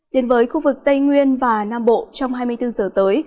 đến với khu vực tây nguyên và nam bộ trong hai mươi bốn giờ tới